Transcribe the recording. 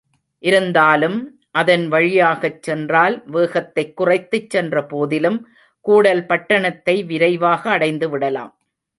இருந்தாலும், அதன் வழியாகச் சென்றால், வேகத்தைக் குறைத்துச் சென்ற போதிலும் கூடல் பட்டணத்தை விரைவாக அடைந்துவிடலாம்.